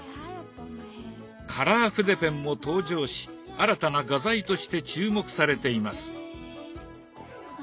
カラー筆ペンも登場し新たな画材として注目されています。